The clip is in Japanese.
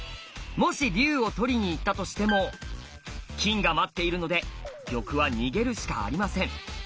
もし龍を取りにいったとしても金が待っているので玉は逃げるしかありません。